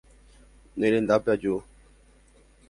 Nerendápe aju.